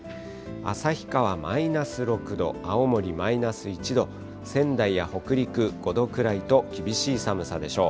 旭川マイナス６度、青森マイナス１度、仙台や北陸、５度くらいと厳しい寒さでしょう。